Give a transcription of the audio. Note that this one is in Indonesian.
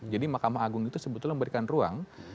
jadi makamah agung itu sebetulnya memberikan ruang